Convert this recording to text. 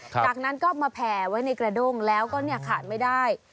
จากนั้นก็มาแผ่ไว้ในกระด้งแล้วก็ขาดไม่ได้